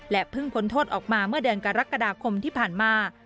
เพิ่งพ้นโทษออกมาเมื่อเดือนกรกฎาคมที่ผ่านมา